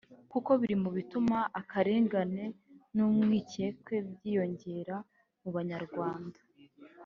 kuko biri mu bituma akarengane n’urwikekwe byiyongera m’ubanyarwanda